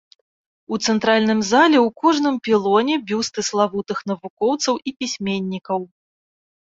У цэнтральным зале ў кожным пілоне бюсты славутых навукоўцаў і пісьменнікаў.